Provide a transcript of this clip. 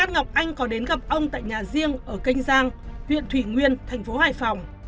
ngọc anh có đến gặp ông tại nhà riêng ở kênh giang huyện thủy nguyên thành phố hải phòng